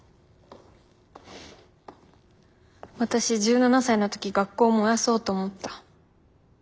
私１７才の時学校を燃やそうと思った。